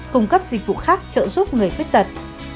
cung cấp dịch vụ khác trợ giúp người khuyết tật